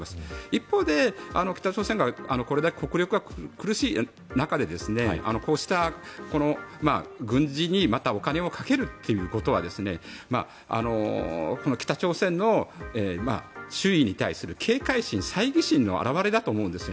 一方で、北朝鮮がこれだけ国力が苦しい中でこうした軍事にまたお金をかけるということは北朝鮮の周囲に対する警戒心さいぎ心の表れだと思うんです。